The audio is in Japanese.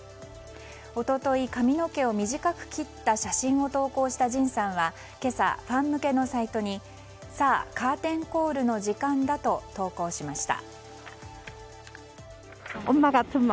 一昨日、髪の毛を短く切った写真を投稿したＪＩＮさんは今朝、ファン向けのサイトにさあ、カーテンコールの時間だと投稿しました。